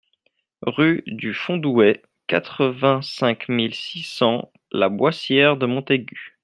Rue du Fondouet, quatre-vingt-cinq mille six cents La Boissière-de-Montaigu